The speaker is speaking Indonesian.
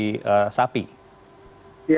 dan membuat penyakit bagi sapi